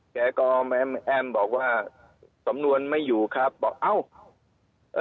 แกก็ไม่แอ้มบอกว่าสำนวนไม่อยู่ครับบอกเอ้าเอ่อ